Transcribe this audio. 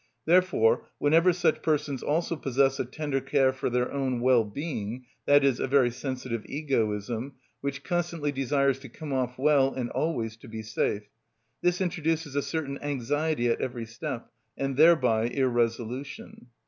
Therefore, whenever such persons also possess a tender care for their own well being, i.e., a very sensitive egoism, which constantly desires to come off well and always to be safe, this introduces a certain anxiety at every step, and thereby irresolution.